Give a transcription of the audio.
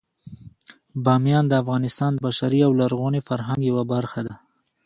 بامیان د افغانستان د بشري او لرغوني فرهنګ یوه برخه ده.